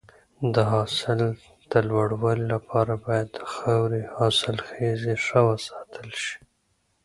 د حاصل د لوړوالي لپاره باید د خاورې حاصلخیزي ښه وساتل شي.